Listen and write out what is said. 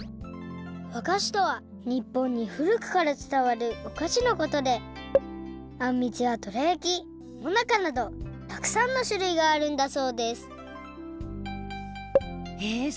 わがしとは日本に古くからつたわるおかしのことであんみつやどらやきもなかなどたくさんのしゅるいがあるんだそうですへえ